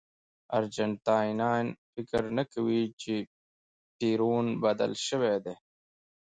ارجنټاینان فکر نه کوي چې پېرون بدل شوی دی.